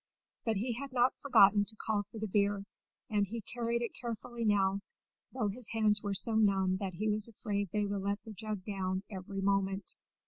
But he had not forgotten to call for the beer, and he carried it carefully now, though his hands were so numb that he was afraid they would let the jug down every moment.